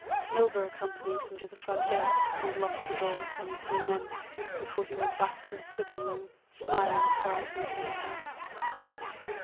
Milburgh accompanied him to the front gate and locked the door upon the three men before he went back to his sitting room smiling quietly to himself.